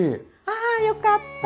ああよかった！